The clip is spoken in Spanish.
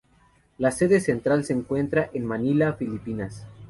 La sede central se encuentra en Manila, filipinas.